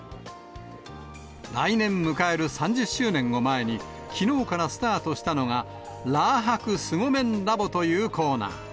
来年迎える３０周年を前に、きのうからスタートしたのが、ラー博スゴメンラボというコーナー。